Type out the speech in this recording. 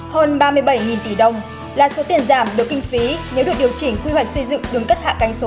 hơn ba mươi bảy tỷ đồng là số tiền giảm được kinh phí nếu được điều chỉnh quy hoạch xây dựng đường cất hạ cánh số